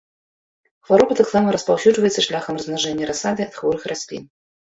Хвароба таксама распаўсюджваецца шляхам размнажэння расадай ад хворых раслін.